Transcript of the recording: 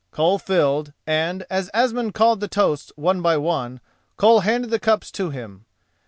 Koll filled, and, as Asmund called the toasts one by one, Koll handed the cups to him.